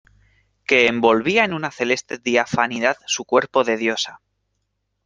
que envolvía en una celeste diafanidad su cuerpo de diosa.